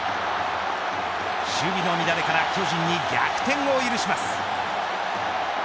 守備の乱れから巨人に逆転を許します。